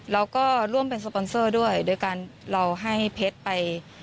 เราก็ร่วมเป็นสปอนเซอร์ด้วยโดยการเราให้เพชรไป